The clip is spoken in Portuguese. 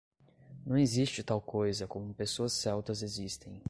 Não existe tal coisa como pessoas celtas existem.